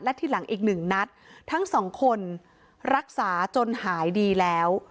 และที่หลังอีกหนึ่งนัดทั้งสองคนรักษาจนหายดีแล้ว